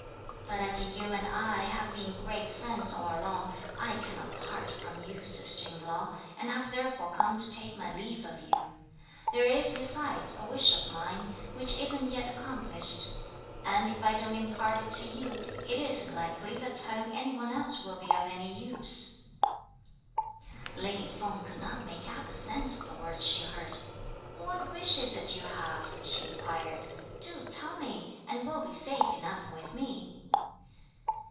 But as you and I have been great friends all along, I cannot part from you, sister in law, and have therefore come to take my leave of you. There is, besides, a wish of mine, which isn't yet accomplished; and if I don't impart it to you, it isn't likely that telling any one else will be of any use." Lady Feng could not make out the sense of the words she heard. "What wish is it you have?" she inquired, "do tell me, and it will be safe enough with me."